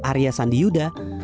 arya sandi yuda